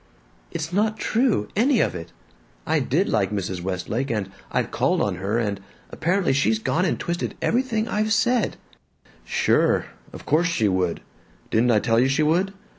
"It's not true, any of it! I did like Mrs. Westlake, and I've called on her, and apparently she's gone and twisted everything I've said " "Sure. Of course she would. Didn't I tell you she would?